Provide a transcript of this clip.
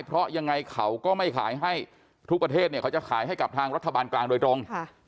เพราะยังไงเขาก็ไม่ขายให้ทุกประเทศเนี่ยเขาจะขายให้กับทางรัฐบาลกลางโดยตรง